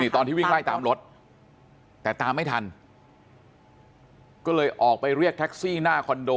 ตอนที่วิ่งไล่ตามรถแต่ตามไม่ทันก็เลยออกไปเรียกแท็กซี่หน้าคอนโด